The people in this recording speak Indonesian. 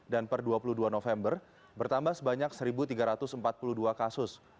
dan per dua puluh dua november bertambah sebanyak satu tiga ratus empat puluh dua kasus